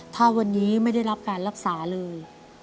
ถ้าวันนี้ไม่ได้รับการรักษาเลย